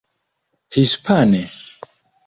Hispane?